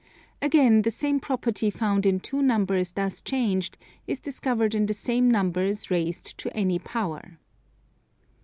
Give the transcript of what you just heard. Again, the same property found in two numbers thus changed, is discovered in the same numbers raised to any power.